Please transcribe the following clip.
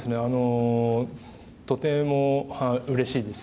とてもうれしいです。